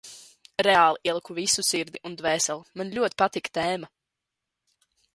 Reāli ieliku visu sirdi un dvēseli – man ļoti patika tēma.